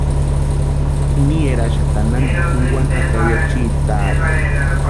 Ni eraxatani nantika junkwani jaka ya chiti taati.